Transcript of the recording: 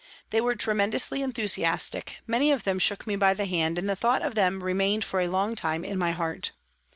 They were tremendously enthusiastic, many of them shook me by the hand, and the thought of them remained for a long time in my heart.